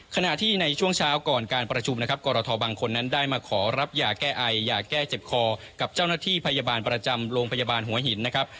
ขณะที่ในช่วงเช้าก่อนการประชุมนะครับกรทบางคนนั้นได้มาขอรับยาแก้ไอยาแก้เจ็บคอกับเจ้าหน้าที่พยาบาลประจำโรงพยาบาลหัวหินนะครับ